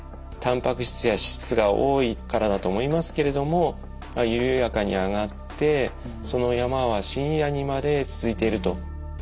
たんぱく質や脂質が多いからだと思いますけれども緩やかに上がってその山は深夜にまで続いていると。